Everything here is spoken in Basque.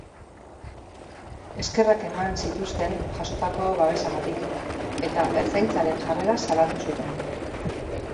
Eskerrak eman zituzten jasotako babesagatik eta Ertzaintzaren jarrera salatu zuten.